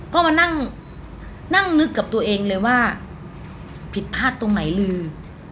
ก็มานั่งนั่งนึกกับตัวเองเลยว่าผิดพลาดตรงไหนลือ